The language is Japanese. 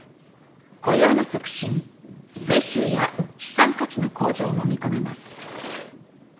雇用の促進税収や資産価値の向上も見込めます。